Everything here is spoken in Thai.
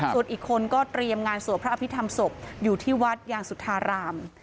ส่วนอีกคนก็เตรียมงานสวดพระอภิษฐรรมศพอยู่ที่วัดยางสุธาราม